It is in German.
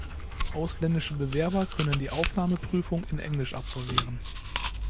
Ausländische Bewerber können die Aufnahmeprüfung in Englisch absolvieren.